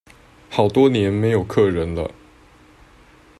好多年沒有客人了